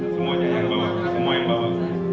semua yang membawa